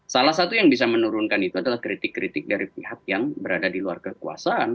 salah satu yang bisa menurunkan itu adalah kritik kritik dari pihak yang berada di luar kekuasaan